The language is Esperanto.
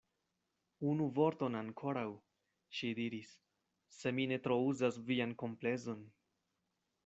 Unu vorton ankoraŭ, ŝi diris, se mi ne trouzas vian komplezon.